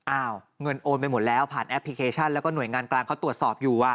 เงินโอนไปหมดแล้วผ่านแอปพลิเคชันแล้วก็หน่วยงานกลางเขาตรวจสอบอยู่